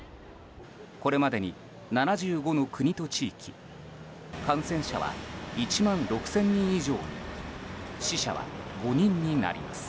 これまでに７５の国と地域感染者は１万６０００人以上に死者は５人になります。